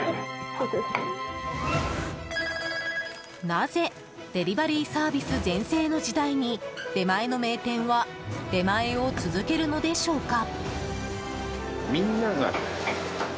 なぜデリバリーサービス全盛の時代に出前の名店は出前を続けるのでしょうか。